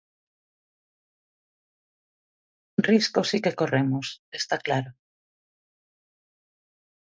Risco si que corremos, está claro.